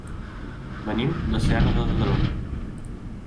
Venim de Serra de Daró.